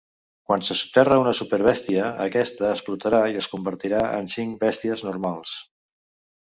Quan se soterra una "súper bèstia", aquesta explotarà i es convertirà en cinc bèsties normals.